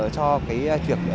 cho cái chuyện